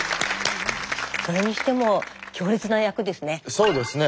それにしても強烈な役ですね。